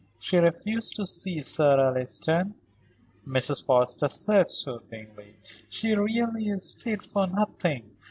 "She refused to see Sir Alliston," Mrs. Forrester said, soothingly. "She really is fit for nothing.